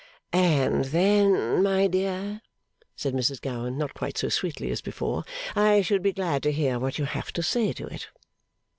'And then, my dear,' said Mrs Gowan not quite so sweetly as before, 'I should be glad to hear what you have to say to it.